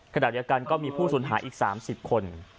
ขณะเดียวกันก็มีผู้สูญหายอีก๓๐คน